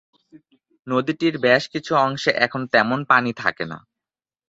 নদীটির বেশ কিছু অংশে এখন তেমন পানি থাকে না।